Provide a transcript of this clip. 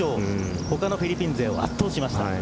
他のフィリピン勢を圧倒しました。